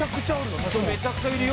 確かに・めちゃくちゃいるよ